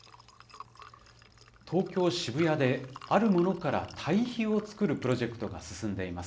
東京・渋谷で、あるものから堆肥を作るプロジェクトが進んでいます。